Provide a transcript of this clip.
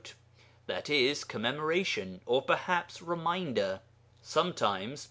e. Commemoration, or perhaps Reminder); sometimes (p.